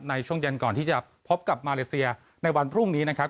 ในช่วงเย็นก่อนที่จะพบกับมาเลเซียในวันพรุ่งนี้นะครับ